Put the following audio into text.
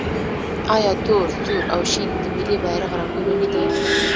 آیا تور، سور او شین د ملي بیرغ رنګونه نه دي؟